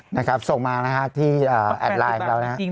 นะครับส่งมานะครับที่แอดไลน์ของเรานะครับ